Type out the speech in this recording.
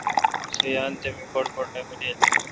سو یال تھ می بڑ بڑ نہ مانیل۔